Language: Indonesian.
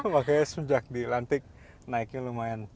makanya sejak di lantik naiknya lumayan